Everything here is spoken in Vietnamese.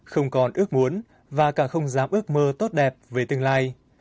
không còn ước muốn và cả không dám ước mơ tốt đẹp về tương lai